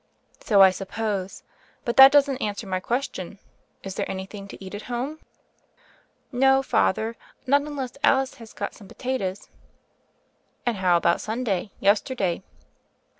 "So I suppose: but that doesn't answer my question. Is there anything to eat at home?" "No, Father, not unless Alice has got some potatoes." "And how about Sunday — ^yesterday?"